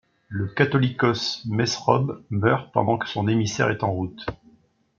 Le Catholicos Mesrob meurt pendant que son émissaire est en route.